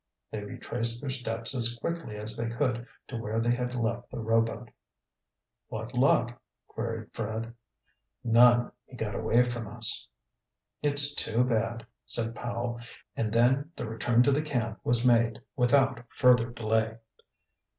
They retraced their steps as quickly as they could to where they had left the rowboat. "What luck?" queried Fred. "None; he got away from us." "It's too bad," said Powell; and then the return to the camp was made without further delay.